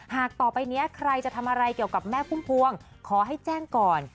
ต่อไปนี้ใครจะทำอะไรเกี่ยวกับแม่พุ่มพวงขอให้แจ้งก่อน